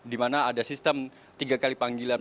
di mana ada sistem tiga kali panggilan